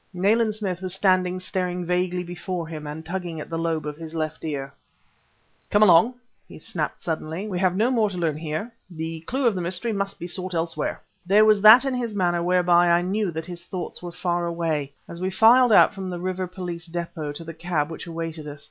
Nayland Smith was standing staring vaguely before him and tugging at the lobe of his left ear. "Come along!" he snapped suddenly. "We have no more to learn here: the clue to the mystery must be sought elsewhere." There was that in his manner whereby I knew that his thoughts were far away, as we filed out from the River Police Depôt to the cab which awaited us.